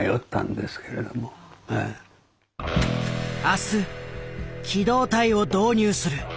「明日機動隊を導入する」。